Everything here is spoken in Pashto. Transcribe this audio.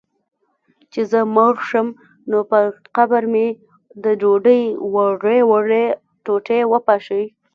چي زه مړ سم، نو پر قبر مي د ډوډۍ وړې وړې ټوټې وپاشی